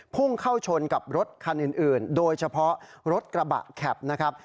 พุ่งเข้าชนกับรถคันอื่นโดยเฉพาะรถกระบะแข็บนะครับ